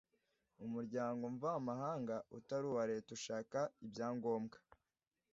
Umuryango mvamahanga utari uwa Leta ushaka ibyangombwa.